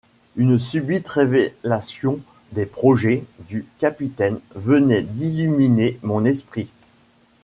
Une subite révélation des projets du capitaine venait d’illuminer mon esprit.